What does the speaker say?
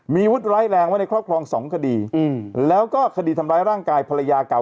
มีวุฒิร้ายแรงไว้ในครอบครองสองคดีแล้วก็คดีทำร้ายร่างกายภรรยาเก่า